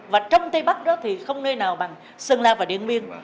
và trong tây bắc đó thì không nơi nào bằng sơn la và điện biên